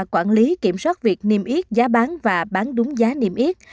quản lý kiểm soát việc niêm yết giá bán và bán đúng giá niêm yết